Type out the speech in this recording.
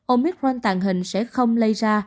omicron tàn hình sẽ không lây ra